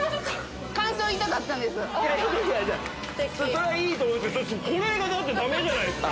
それはいいと思うんすけどこれがダメじゃないっすか。